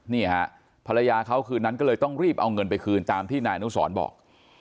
นี่ฮะภรรยาเขาคืนนั้นก็เลยต้องรีบเอาเงินไปคืนตามที่นายอนุสรบอก